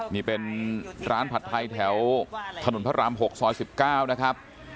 นี่เป็นร้านผัดไทยแถวถนนพระราม๖ซอย๑๙นะครับ